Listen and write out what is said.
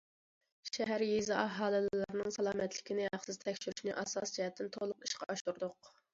شەھەر، يېزا ئاھالىلىرىنىڭ سالامەتلىكىنى ھەقسىز تەكشۈرۈشنى ئاساسىي جەھەتتىن تولۇق ئىشقا ئاشۇردۇق.